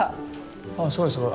ああすごいすごい。